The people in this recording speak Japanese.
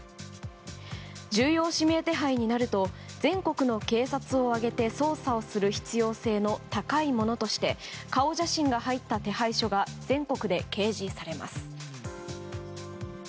重要指名手配になると全国の警察を挙げて捜査をする必要性の高い者として顔写真が入った手配書が全国で掲示されます。